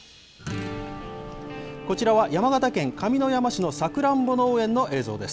こちらは山形県上山市のサクランボ農園の映像です。